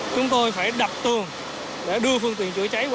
chúng tôi phải đặt tường để đưa phương tiện chữa cháy